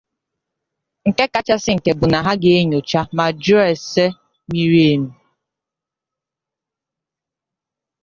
Nke kachasị nke bụ na ha ga-enyochaa ma jụọ ase miri emi